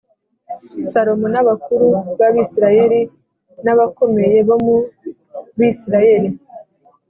salomo n’abakuru b’abisirayeli n’abakomeye bo mu bisirayeli,